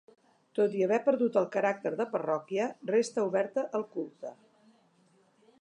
Tot i haver perdut el caràcter de parròquia, resta oberta al culte.